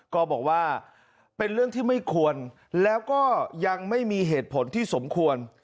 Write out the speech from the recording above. ก็บอกว่าเป็นเรื่องที่ไม่ควรแล้วก็ยังไม่มีเหตุผลที่สมควร